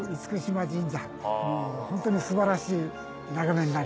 ホントに素晴らしい眺めになりますね。